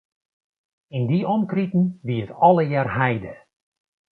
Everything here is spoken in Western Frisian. Yn dy omkriten wie it allegear heide.